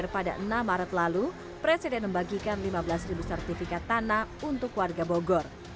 pada enam maret lalu presiden membagikan lima belas sertifikat tanah untuk warga bogor